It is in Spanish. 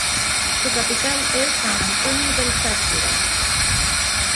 Su capital es San Antonio del Táchira.